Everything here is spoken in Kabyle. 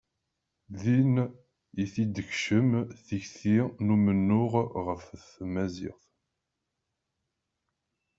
Din i t-id-tekcem tikti n umennuɣ ɣef tmaziɣt.